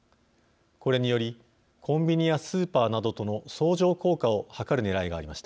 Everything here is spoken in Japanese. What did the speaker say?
これによりコンビニやスーパーなどとの相乗効果を図るねらいがありました。